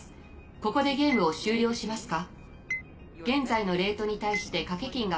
ここでゲームを終了しますか？